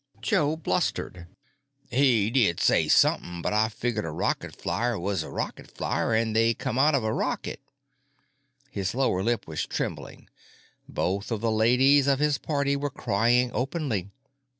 Joe blustered, "He did say sump'm, but I figured a rocket flyer was a rocket flyer, and they come out of a rocket." His lower lip was trembling. Both of the ladies of his party were crying openly.